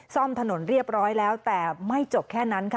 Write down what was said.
ซ่อมถนนเรียบร้อยแล้วแต่ไม่จบแค่นั้นค่ะ